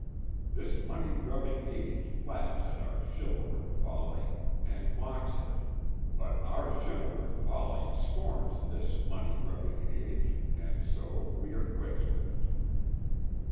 This money grubbing age laughs at our chivalric folly and mocks it; but our chivalric folly scorns this money grubbing age, and so we are quits with it."